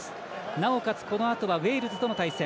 なおかつ、このあとはウェールズとの対戦。